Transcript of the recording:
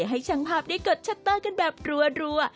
ให้ช่างภาพได้กดชัตเตอร์กันแบบรัว